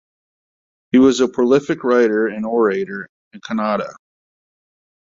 He was a prolific writer and orator in Kannada.